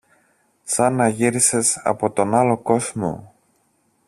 Σαν να γύρισες από τον άλλο κόσμο.